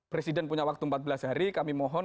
presiden punya waktu empat belas hari kami mohon